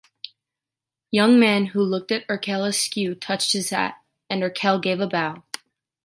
Young man who looked at Erkel askew touched his hat, and Erkel gave a bow.